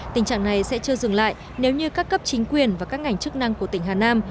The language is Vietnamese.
tình trạng này sẽ chưa dừng lại nếu như các cấp chính quyền và các ngành chức năng của tỉnh hà nam